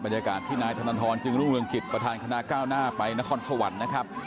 บรรยากาศที่นายธนทรจึงรุ่งเรืองกิจประธานคณะก้าวหน้าไปนครสวรรค์นะครับ